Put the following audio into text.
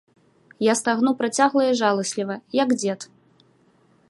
Я стагну працягла і жаласліва, як дзед.